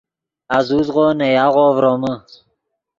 آزوزغو نے یاغو ڤرومے